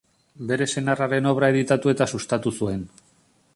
Bere senarraren obra editatu eta sustatu zuen.